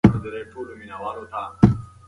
توبه وباسئ.